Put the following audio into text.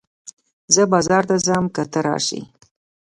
زه بازار ته ځم که ته راسې